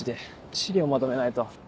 資料まとめないと。